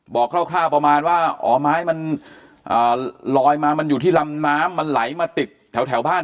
คร่าวประมาณว่าอ๋อไม้มันลอยมามันอยู่ที่ลำน้ำมันไหลมาติดแถวบ้าน